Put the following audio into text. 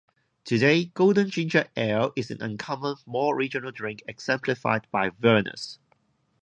Today, golden ginger ale is an uncommon, more regional drink exemplified by Vernors.